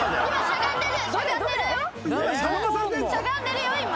「しゃがんでるよ今」